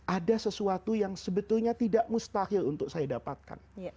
ada sesuatu yang sebetulnya tidak mustahil untuk saya dapatkan